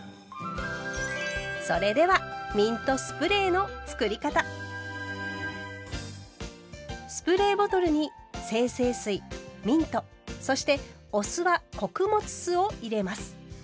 それではスプレーボトルに精製水ミントそしてお酢は穀物酢を入れます。